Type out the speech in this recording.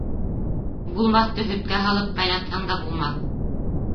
Булмаҫты һөткә һалып ҡайнатһаң да булмаҫ.